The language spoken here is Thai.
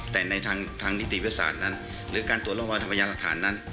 แต่ในทางนิติวิทยาศาสตร์นั้นหรือการตรวจร่องรอยทางพยานหลักฐานนั้น